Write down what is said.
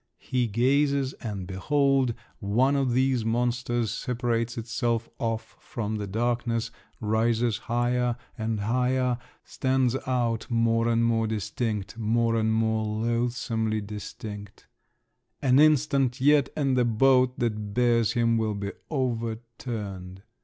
He gazes, and behold, one of these monsters separates itself off from the darkness, rises higher and higher, stands out more and more distinct, more and more loathsomely distinct…. An instant yet, and the boat that bears him will be overturned!